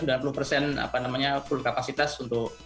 apa namanya full kapasitas untuk